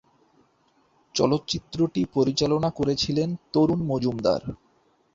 চলচ্চিত্রটি পরিচালনা করেছিলেন তরুণ মজুমদার।